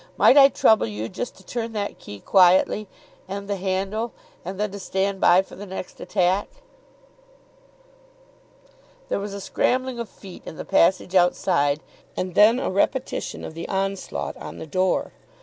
Might I trouble you just to turn that key quietly, and the handle, and then to stand by for the next attack." There was a scrambling of feet in the passage outside, and then a repetition of the onslaught on the door.